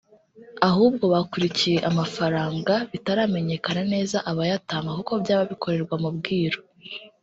ahubwo bakurikiye amafaranga bitaramenyekana neza abayatanga kuko byaba bikorerwa mu bwiru